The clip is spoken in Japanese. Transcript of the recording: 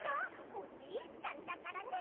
おねえちゃんだからね！